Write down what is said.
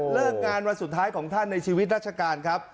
เลิกงานวันสุดท้ายของท่านในชีวิตราชการ